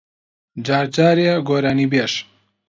جار جارێ گۆرانیبێژ